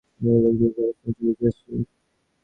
তিনি আবার উল্লেখযোগ্য অবস্থানে চলে এসেছিলেন।